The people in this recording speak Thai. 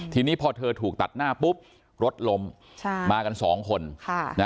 ทีนี้พอเธอถูกตัดหน้าปุ๊บรถล้มมากันสองคน